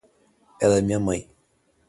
Ela é minha mãe.